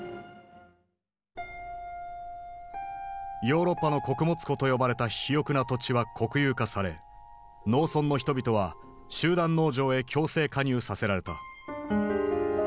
「ヨーロッパの穀物庫」と呼ばれた肥沃な土地は国有化され農村の人々は集団農場へ強制加入させられた。